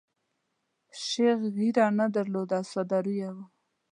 شیخ ږیره نه درلوده او ساده روی وو.